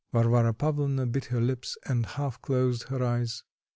Varvara Pavlovna bit her lips and half closed her eyes.